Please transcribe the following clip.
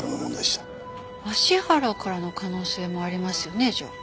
芦原からの可能性もありますよねじゃあ。